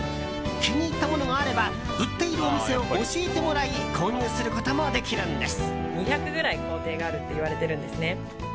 気に入ったものがあれば売っているお店を教えてもらい購入することもできるんです。